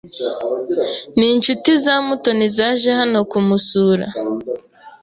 Ni inshuti za Mutoni zaje hano kumusura.